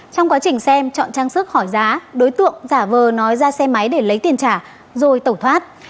trong quá trình xem chọn trang sức khỏi giá đối tượng giả vờ nói ra xe máy để lấy tiền trả rồi tẩu thoát